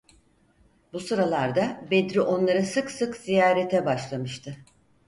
Bu sıralarda Bedri onları sık sık ziyarete başlamıştı.